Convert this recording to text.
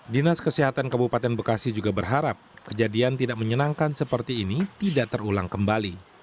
dinas kesehatan kabupaten bekasi juga berharap kejadian tidak menyenangkan seperti ini tidak terulang kembali